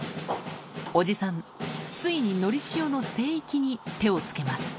おじさん、ついにのりしおの聖域に手をつけます。